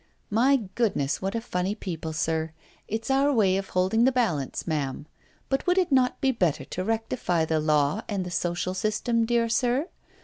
My goodness! what a funny people, sir! It 's our way of holding the balance, ma'am. But would it not be better to rectify the law and the social system, dear sir?